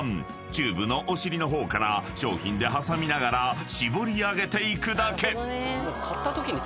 ［チューブのお尻の方から商品で挟みながら絞り上げていくだけ］